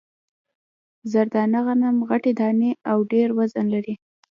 زر دانه غنم غټې دانې او ډېر وزن لري.